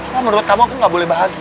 wah menurut kamu aku gak boleh bahagia